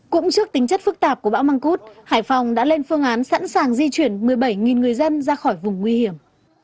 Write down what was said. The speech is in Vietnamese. cũng trước tính chất phức tạp của bão măng cút hải phòng đã lên phương án sẵn sàng di chuyển một mươi bảy người dân ra khỏi vùng nguy hiểm